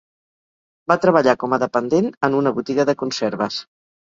Va treballar com a dependent en una botiga de conserves.